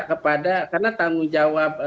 kepada karena tanggung jawab